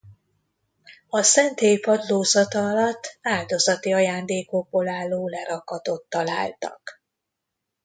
A szentély padlózata alatt áldozati ajándékokból álló lerakatot találtak.